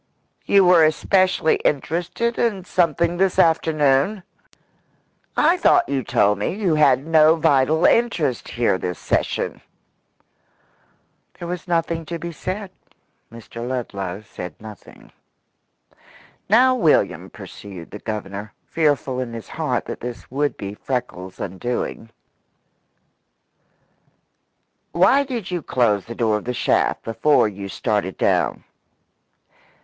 "You were especially interested in something this afternoon? I thought you told me you had no vital interest here this session." There was nothing to be said. Mr. Ludlow said nothing. "Now, William," pursued the Governor, fearful in his heart that this would be Freckles' undoing, "why did you close the door of the shaft before you started down?"